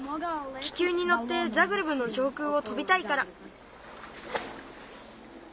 気球にのってザグレブの上空を飛びたいから。